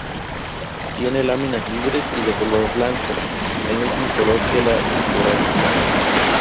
Tiene láminas libres y de color blanco, del mismo color que la esporada.